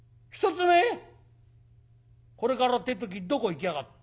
これからって時にどこ行きやがる。